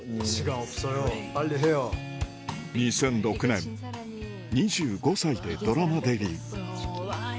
２００６年２５歳でドラマデビュー